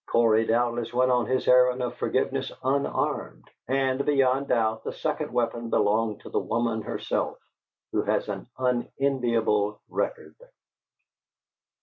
Cory doubtless went on his errand of forgiveness unarmed, and beyond doubt the second weapon belonged to the woman herself, who has an unenviable record.